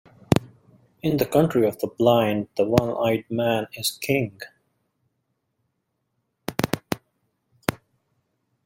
In the country of the blind, the one-eyed man is king.